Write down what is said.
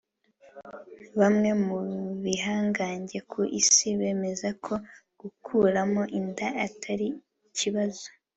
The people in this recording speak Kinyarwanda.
Bamwe mu bihangange ku isi bemeza ko gukuramo inda atari kibazo